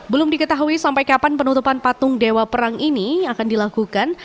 belum diketahui sampai kapan penutupan patung dewa perang ini akan dilakukan